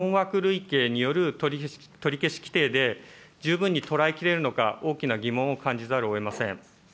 こういう被害実態を、新法の困惑類型による取り消し規定で、十分に捉えきれるのか、大きな疑問を感じざるをえません。